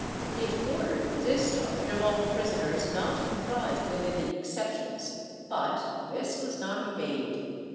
It ordered the discharge of all prisoners not comprised within the exceptions, but this was not obeyed.